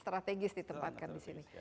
strategis ditempatkan disini